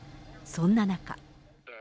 そんな中。